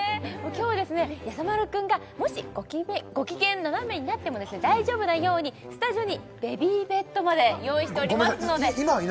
今日はですねやさ丸くんがもしご機嫌ななめになっても大丈夫なようにスタジオにベビーベッドまで用意しておりますのでごめんなさい